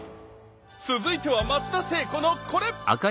続いては松田聖子のこれ！